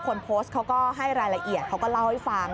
คนโพสต์เขาก็ให้รายละเอียดเขาก็เล่าให้ฟัง